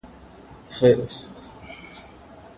څنګه ارام غږونه زموږ اعصاب هوسا کوي؟